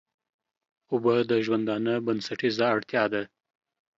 اوبه د ژوندانه بنسټيزه اړتيا ده.